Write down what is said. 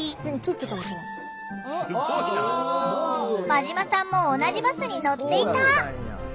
馬島さんも同じバスに乗っていた。